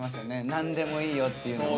何でもいいよっていうの。